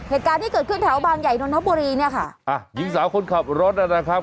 เหตุการณ์ที่เกิดขึ้นแถวบางใหญ่นนทบุรีเนี่ยค่ะอ่ะหญิงสาวคนขับรถน่ะนะครับ